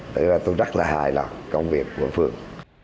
tại vì tôi rất là hài lòng công việc của phường